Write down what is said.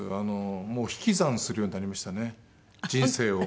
もう引き算するようになりましたね人生を。